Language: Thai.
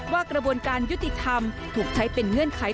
กระบวนการยุติธรรมถูกใช้เป็นเงื่อนไข